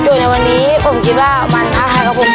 อยู่ในวันนี้ผมคิดว่ามันอาฆาตกระปุ่มมาก